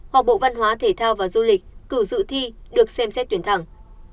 hoặc bộ văn hóa thể thao và du lịch cử dự thi được xem xét tuyển thẳng